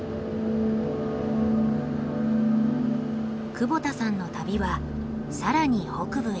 窪田さんの旅は更に北部へ。